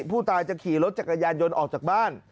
ผู้ตายจะขี่รถจักรยานยนต์ออกจากบ้าน